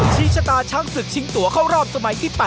ชี้ชะตาช้างศึกชิงตัวเข้ารอบสมัยที่๘